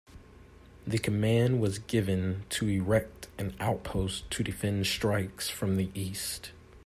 The command was given to erect an outpost to defend strikes from the east.